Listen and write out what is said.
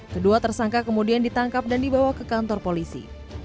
kedua tersangka kemudian ditangkap dan dibawa ke kantor polisi